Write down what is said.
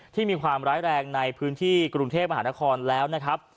ที่มีความร้ายแรงในพื้นที่กรุงเทพมหานครแล้วนะครับ